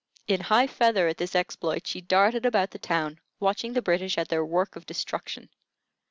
In high feather at this exploit, she darted about the town, watching the British at their work of destruction.